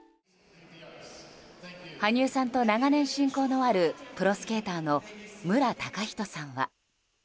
羽生さんと長年、親交のあるプロスケーターの無良崇人さんは。